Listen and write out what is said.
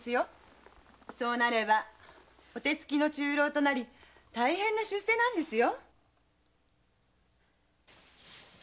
そうなればお手付きの中臈となり大変な出世なんですよ。